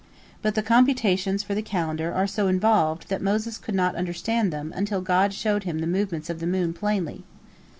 But the computations for the calendar are so involved that Moses could not understand them until God showed him the movements of the moon plainly.